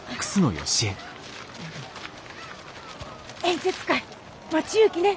演説会待ちゆうきね！